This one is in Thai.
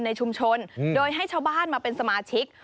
ในชุมชนโดยให้ชาวบ้านมาเป็นสมาชิก